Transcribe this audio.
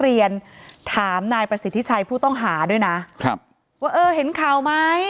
เรียนถามประสิทธิชัยผู้ต้องหาด้วยนะว่าเห็นข่าวไหม